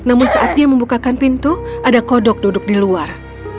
namun saat ia membukakan pintu ada kodok duduk di luar